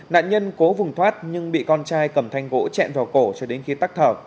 nạn nhân cố vùng thoát nhưng bị con trai cầm thanh gỗ chạy vào cổ cho đến khi tắc thở